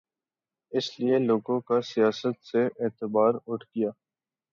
اس لیے لوگوں کا سیاست سے اعتبار اٹھ گیا۔